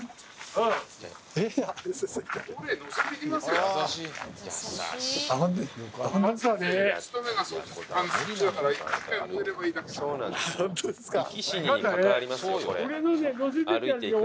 あぁそうなんですか。